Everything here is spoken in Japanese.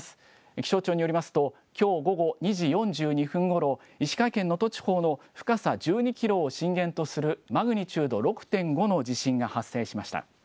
気象庁によりますと、きょう午後２時４２分ごろ、石川県能登地方の深さ１２キロを震源とするマグニチュード６．５の地震が発生しました。